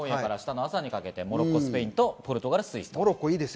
今夜から明日の朝にかけてモロッコ、スペイン、ポルトガル、スイス行われます。